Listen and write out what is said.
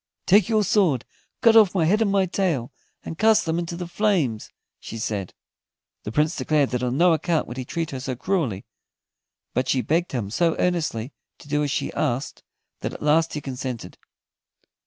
"Take your sword, cut off my head and my tail, and cast them into the flames," she said. The Prince declared that on no account would he treat her so cruelly; but she begged him so earnestly to do as she asked that at last he consented.